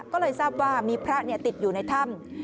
ก็เลยทราบว่ามีพระติดอยู่ในถ้ำ